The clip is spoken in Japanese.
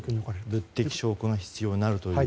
物的証拠が必要になると。